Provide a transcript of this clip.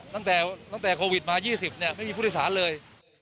ตั้งแต่โควิดมา๒๐ไม่มีผู้โดยสารเลย